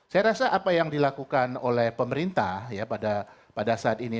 saya rasa apa yang dilakukan oleh pemerintah pada saat ini